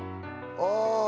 ああ！